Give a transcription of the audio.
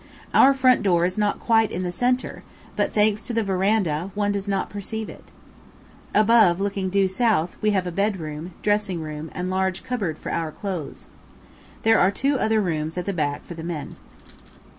Our front door is not quite in the centre; but, thanks to the verandah, one does not perceive it. Above, looking due south, we have a bed room, dressing room, and large cupboard for our clothes. There are two other rooms at the back for the men.